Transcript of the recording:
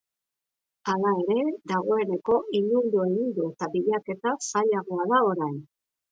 Hala ere, dagoeneko ilundu egin du eta bilaketa zailagoa da orain.